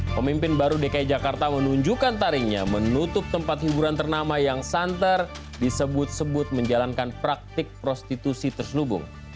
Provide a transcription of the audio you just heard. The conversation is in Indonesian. pemimpin baru dki jakarta menunjukkan tarinya menutup tempat hiburan ternama yang santer disebut sebut menjalankan praktik prostitusi terselubung